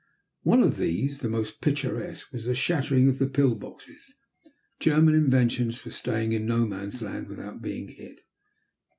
One of these, the most picturesque, was the shattering of the "pill boxes," German inventions for staying in No Man's Land without being hit.